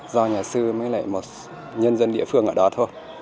do nhà sư với lại một nhân dân địa phương ở đó thôi